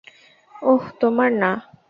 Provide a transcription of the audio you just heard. ওহ, তোমার না?